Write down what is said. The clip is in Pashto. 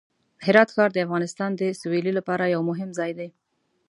هرات ښار د افغانستان د سولې لپاره یو مهم ځای دی.